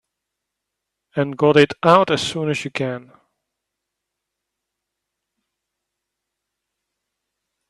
And got it out as soon as you can.